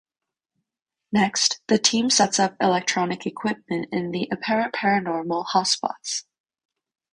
Next, the team sets up electronic equipment in the apparent paranormal hotspots.